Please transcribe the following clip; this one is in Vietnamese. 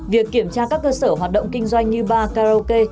việc kiểm tra các cơ sở hoạt động kinh doanh như ba karaoke